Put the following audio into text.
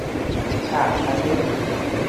ฉากกระเด้ง